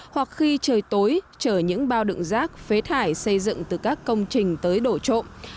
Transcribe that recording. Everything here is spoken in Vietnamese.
hoặc khi trời tối chở những bao đựng rác phế thải xây dựng từ các công trình tới đổ trộm